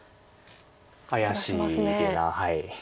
怪しげな。